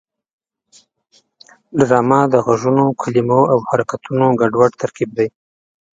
ډرامه د غږونو، کلمو او حرکتونو ګډوډ ترکیب دی